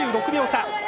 ２６秒差。